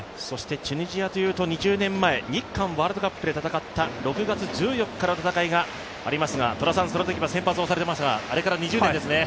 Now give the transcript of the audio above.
チュニジアというと２０年前、日韓ワールドカップで戦った６月１４日の戦いがありましたが戸田さんはそのときは先発をされていましたが、あれから２０年ですね。